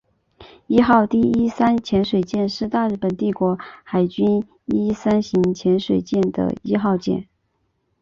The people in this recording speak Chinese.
伊号第一三潜水舰是大日本帝国海军伊一三型潜水艇的一号舰。